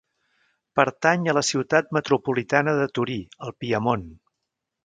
Pertany a la ciutat metropolitana de Torí, al Piemont.